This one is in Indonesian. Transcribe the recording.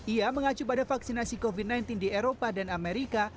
ia mengacu pada vaksinasi covid sembilan belas di eropa dan amerika